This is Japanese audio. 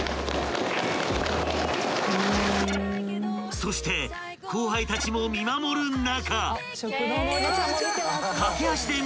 ［そして後輩たちも見守る中］